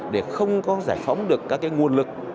để không có giải phóng được các nguồn lực